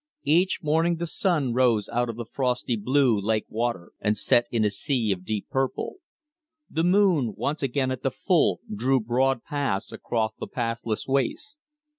Each morning the sun rose out of the frosty blue lake water, and set in a sea of deep purple. The moon, once again at the full, drew broad paths across the pathless waste.